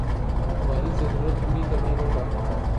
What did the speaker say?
ہماری ضرورت پوری کرنے کو کافی تھا